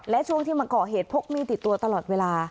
และช่วงที่มาก่อเหตุพกมีดติดตัวตลอดเวลา